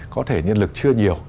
có thể nhân lực chưa nhiều